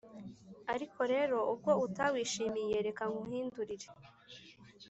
Ariko rero ubwo utawishimiye reka nkuhindurire,